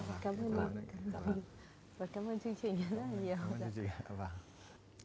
và cám ơn chương trình rất là nhiều